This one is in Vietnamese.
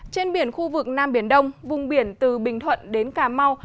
trên biển khu vực nam biển đông vùng biển từ bình thuận đến cà mau